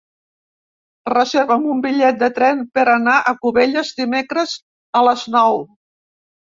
Reserva'm un bitllet de tren per anar a Cubelles dimecres a les nou.